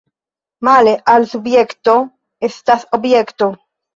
Male al subjekto estas objekto.